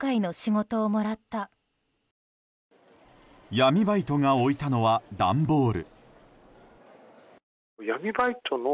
闇バイトが置いたのは段ボール。